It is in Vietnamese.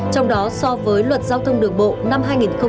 trong đó so với luật giao thông đường bộ năm hai nghìn tám